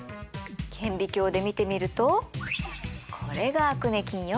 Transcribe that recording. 顕微鏡で見てみるとこれがアクネ菌よ。